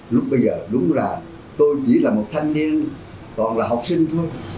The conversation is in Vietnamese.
lúc bây giờ đúng là tôi chỉ là một thanh niên còn là học sinh thôi